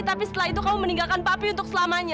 tapi setelah itu kamu meninggalkan papi untuk selamanya